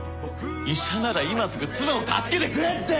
「医者なら今すぐ妻を助けてくれって」